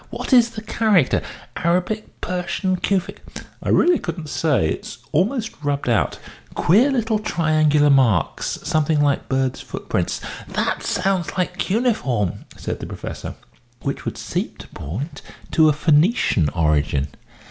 "What is the character Arabic? Persian? Kufic?" "I really couldn't say it's almost rubbed out queer little triangular marks, something like birds' footprints." "That sounds like Cuneiform," said the Professor, "which would seem to point to a Phoenician origin.